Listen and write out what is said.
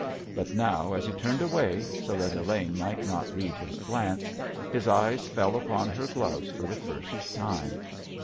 But now as he turned away, so that Elaine might not read his glance, his eyes fell upon her gloves for the first time.